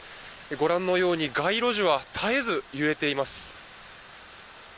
ご覧のように街路樹は絶えず揺れています。